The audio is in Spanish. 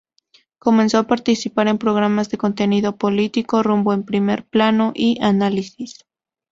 Comenzó a participar en programas de contenido político: "Rumbo", "En primer plano" y "Análisis".